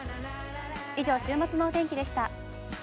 以上、週末のお天気でした。